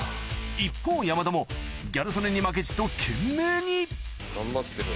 一方山田もギャル曽根に負けじと懸命に頑張ってる。